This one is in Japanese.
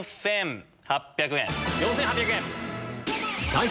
４８００円。